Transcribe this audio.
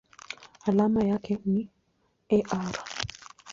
Alama yake ni Ar.